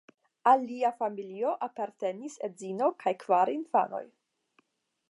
Al lia familio apartenas edzino kaj kvar infanoj.